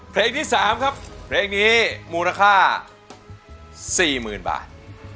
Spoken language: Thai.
เพลงที่๓ครับเพลงนี้มูลค่า๔๐๐๐บาท